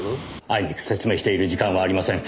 あいにく説明している時間はありません。